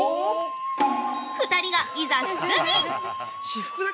２人が、いざ出陣！